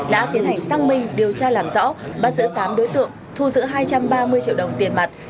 đã tiến hành xăng minh điều tra làm rõ bắt giữ tám đối tượng thu giữ hai trăm ba mươi triệu đồng tiền mặt